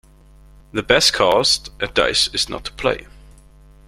The best cast at dice is not to play.